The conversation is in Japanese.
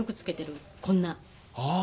ああ。